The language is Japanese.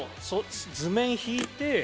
図面ひいて？